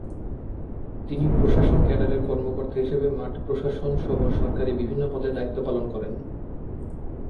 তিনি প্রশাসন ক্যাডারের কর্মকর্তা হিসেবে মাঠ প্রশাসন সহ সরকারি বিভিন্ন পদে দায়িত্ব পালন করেন।